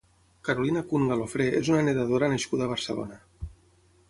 Carolina Kun Galofré és una nedadora nascuda a Barcelona.